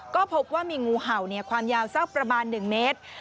ก็พบว่ามีงูเห่าความยาวสักประมาณ๑เมตร